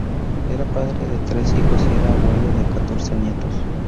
Era padre de tres hijos y era abuelo de catorce nietos.